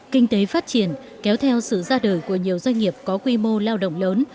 kinh tế phát triển kéo theo sự ra đời của nhiều doanh nghiệp có quy mô lao động lớn